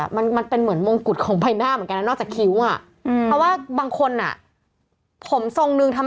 ทำให้เขาดูแย่ก็มีเหมือนกัน